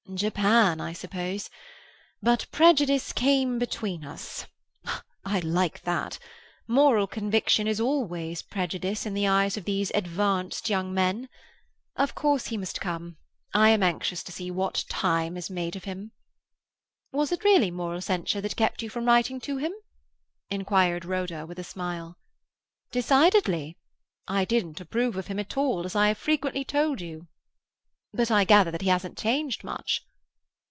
"Japan, I suppose. "But prejudice came between us." I like that! Moral conviction is always prejudice in the eyes of these advanced young men. Of course he must come. I am anxious to see what time has made of him." "Was it really moral censure that kept you from writing to him?" inquired Rhoda, with a smile. "Decidedly. I didn't approve of him at all, as I have frequently told you." "But I gather that he hasn't changed much."